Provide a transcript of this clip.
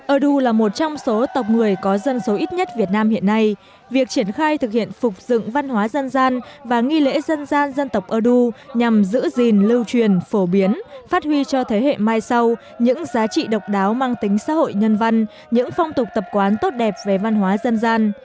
ơ đu là một trong số tộc người có dân số ít nhất việt nam hiện nay việc triển khai thực hiện phục dựng văn hóa dân gian và nghi lễ dân gian dân tộc ơ đu nhằm giữ gìn lưu truyền phổ biến phát huy cho thế hệ mai sau những giá trị độc đáo mang tính xã hội nhân văn những phong tục tập quán tốt đẹp về văn hóa dân gian